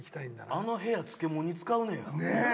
あの部屋漬物に使うねや。